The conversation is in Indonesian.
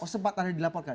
oh sempat tadi dilaporkan